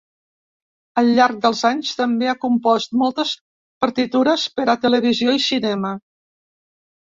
Al llarg dels anys també ha compost moltes partitures per a televisió i cinema.